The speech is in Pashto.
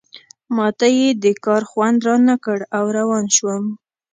ما ته یې دې کار خوند رانه کړ او روان شوم.